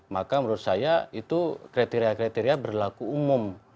maka menurut saya itu kriteria kriteria berlaku umum